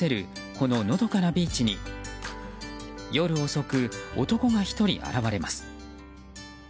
この、のどかなビーチに夜遅く、男が１人現れます。